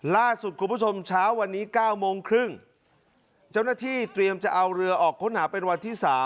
ล่าสุดคุณผู้ชมเช้าวันนี้๙โมงครึ่งเจ้าหน้าที่เตรียมจะเอาเรือออกค้นหาเป็นวันที่๓